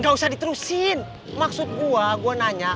gak usah diterusin maksud gua gua nanya